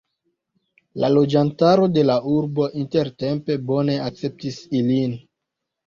La loĝantaro de la urbo intertempe bone akceptis ilin.